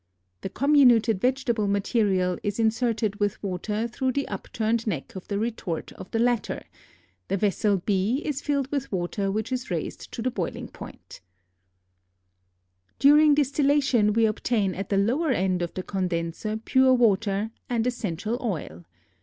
The comminuted vegetable material is inserted with water through the up turned neck of the retort into the latter; the vessel B is filled with water which is raised to the boiling point. [Illustration: FIG. 12.] During distillation we obtain at the lower end of the condenser pure water and essential oil.